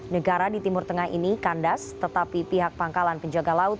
negara di timur tengah ini kandas tetapi pihak pangkalan penjaga laut